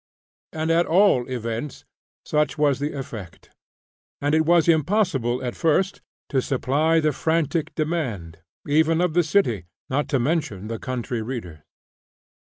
At all events, such was the effect, and it was impossible at first to supply the frantic demand, even of the city, not to mention the country readers.